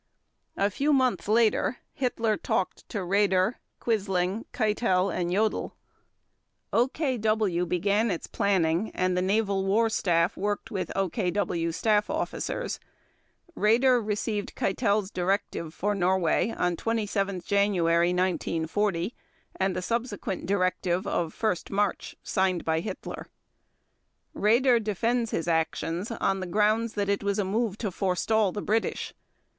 A few months later Hitler talked to Raeder, Quisling, Keitel, and Jodl; OKW began its planning and the Naval War Staff worked with OKW staff officers. Raeder received Keitel's directive for Norway on 27 January 1940 and the subsequent directive of 1 March, signed by Hitler. Raeder defends his actions on the ground it was a move to forestall the British.